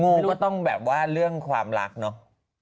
นี่ก็ต้องแบบว่าเรื่องความรักเนอะ